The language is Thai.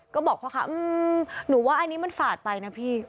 ก็บอกพ่อค้าหนูว่าอันนี้มันฝาดไปนะพี่